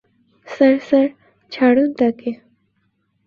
Sir, sir, ছাড়ুন তাকে।